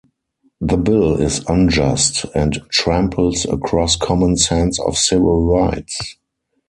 The Bill is unjust and tramples across common sense and civil rights.